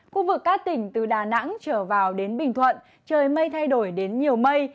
khu vực các tỉnh từ đà nẵng trở vào đến bình thuận trời mây thay đổi đến nhiều mây